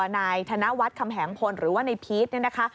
นายธนวัฒน์คำแหงพลหรือว่าในพีชเนี่ยนะคะ